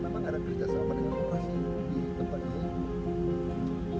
pelanggaran yang di depan bukit tadewa apa pak